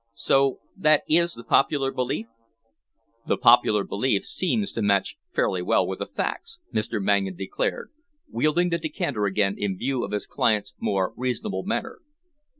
So that is the popular belief?" "The popular belief seems to match fairly well with the facts," Mr. Mangan declared, wielding the decanter again in view of his client's more reasonable manner.